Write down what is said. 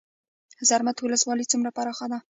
زرمت ولسوالۍ څومره پراخه ده؟